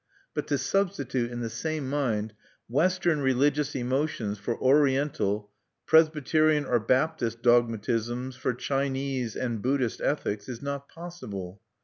But to substitute, in the same mind, Western religious emotions for Oriental, Presbyterian or Baptist dogmatisms for Chinese and Buddhist ethics, is not possible.